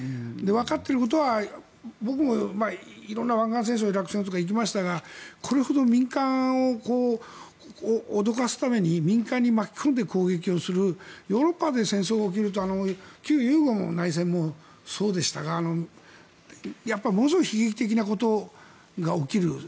わかっていることは僕も色んな湾岸戦争とかイラク戦争とか行きましたがこれほど民間を脅かすために民間に巻き込んで攻撃をするヨーロッパで戦争が起きると旧ユーゴの内戦もそうでしたがものすごい悲劇的なことが起きる。